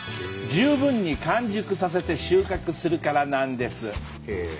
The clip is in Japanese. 十分に完熟させて収穫するからなんです。